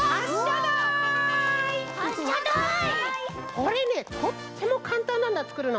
これねとってもかんたんなんだつくるの。